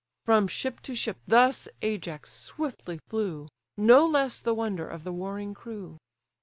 From ship to ship thus Ajax swiftly flew, No less the wonder of the warring crew.